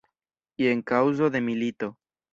Jen kaŭzo de milito.